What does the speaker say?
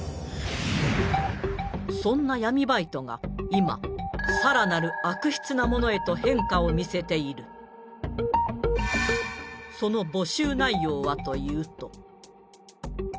そんな闇バイトが今さらなる悪質なものへと変化を見せているその「攫い系」